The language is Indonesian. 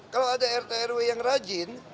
kalau ada rt rw yang rajin